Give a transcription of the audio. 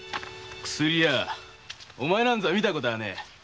薬屋お前なんぞ見たことはねえ。